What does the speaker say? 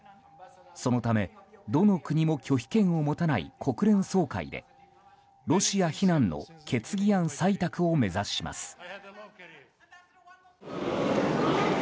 そのため、どの国も拒否権を持たない国連総会でロシア非難の決議案採択を目指します。